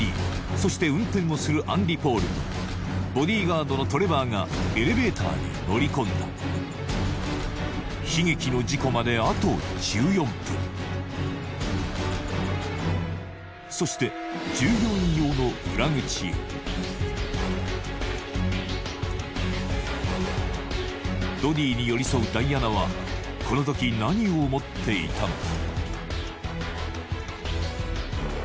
そして運転をするアンリ・ポールとボディーガードのトレバーがエレベーターに乗り込んだ悲劇の事故まであと１４分そして従業員用の裏口へドディに寄り添うダイアナはこの時何を思っていたのか？